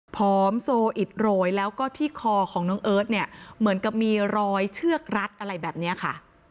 ผอมโซอิดโรยแล้วก็ที่คอของน้องเอิร์ทเนี่ยเหมือนกับมีรอยเชือกรัดอะไรแบบนี้ค่ะ